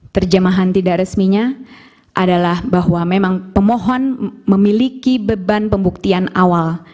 terjemahan tidak resminya adalah bahwa memang pemohon memiliki beban pembuktian awal